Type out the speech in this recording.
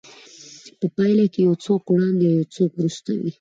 په پايله کې يو څوک وړاندې او يو څوک وروسته وي.